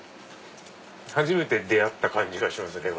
初めて出会った感じがしますね。